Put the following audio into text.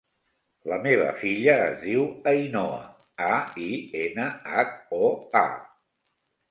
La meva filla es diu Ainhoa: a, i, ena, hac, o, a.